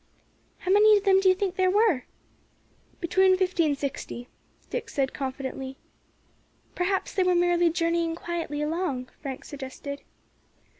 "How many of them do you think there were?" "Between fifty and sixty," Dick said confidently. "Perhaps they were merely journeying quietly along," Frank suggested.